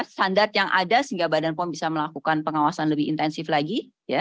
standar yang ada sehingga badan pom bisa melakukan pengawasan lebih intensif lagi